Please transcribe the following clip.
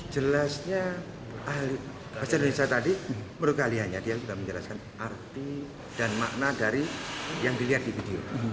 jelasnya ahli bahasa indonesia tadi menurut keahliannya dia sudah menjelaskan arti dan makna dari yang dilihat di video